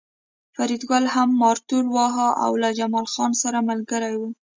فریدګل هم مارتول واهه او له جمال خان سره ملګری و